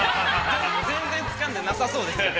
◆全然つかんでなさそうですけど。